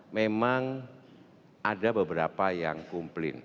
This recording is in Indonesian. memang ada beberapa yang komplain